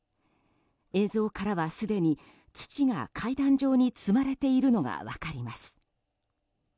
映像からはすでに土が階段状に積まれているのが分かります。